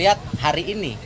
dilihat hari ini